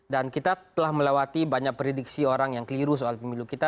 dan kita telah melewati banyak prediksi orang yang keliru soal pemilu kita